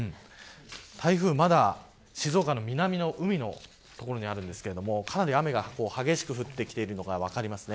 台風は静岡の南の海の所にあるんですがかなり雨が激しく降っているのが分かります。